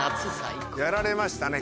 やられましたね